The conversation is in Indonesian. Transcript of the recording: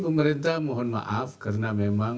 pemerintah mohon maaf karena memang